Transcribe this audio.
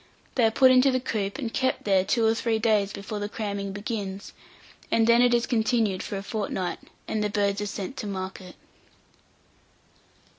They are put into the coop, and kept there two or three days before the cramming begins, and then it is continued for a fortnight, and the birds are sent to market.